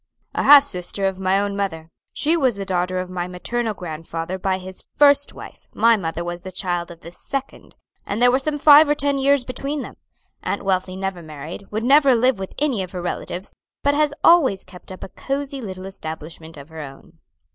"A half sister of my own mother. She was the daughter of my maternal grandfather by his first wife, my mother was the child of the second, and there were some five or ten years between them. Aunt Wealthy never married, would never live with any of her relatives, but has always kept up a cosey little establishment of her own."